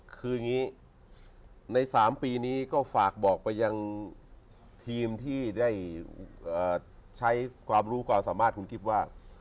คืออย่างนี้ใน๓ปีนี้ก็ฝากบอกไปยังทีมที่ได้ใช้ความรู้ความสามารถคุณกิฟต์ว่า